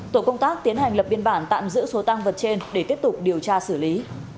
tổ công tác tiến hành lập biên bản tạm giữ số tăng vật trên để tiếp tục điều tra xử lý